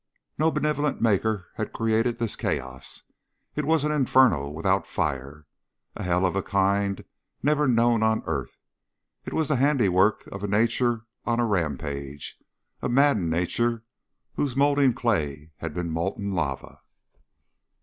No benevolent Maker had created this chaos. It was an inferno without fire a hell of a kind never known on earth. It was the handiwork of a nature on a rampage a maddened nature whose molding clay had been molten lava.